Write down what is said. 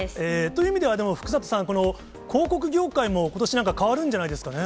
という意味では、福里さん、広告業界も、ことし、なんか変わるんじゃないですかね。